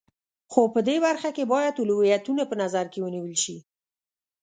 خو په دې برخه کې باید اولویتونه په نظر کې ونیول شي.